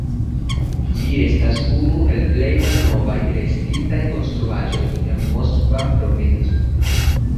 Ĝi estas unu el plej malnovaj restintaj konstruaĵoj en Moskva provinco.